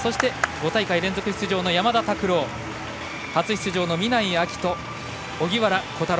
５大会連続出場の山田拓朗初出場の南井瑛翔、荻原虎太郎。